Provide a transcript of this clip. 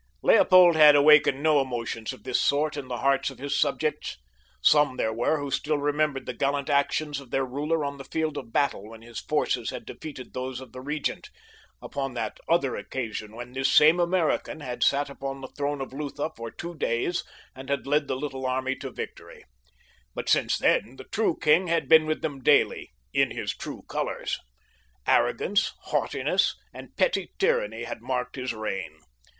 Leopold had awakened no emotions of this sort in the hearts of his subjects. Some there were who still remembered the gallant actions of their ruler on the field of battle when his forces had defeated those of the regent, upon that other occasion when this same American had sat upon the throne of Lutha for two days and had led the little army to victory; but since then the true king had been with them daily in his true colors. Arrogance, haughtiness, and petty tyranny had marked his reign.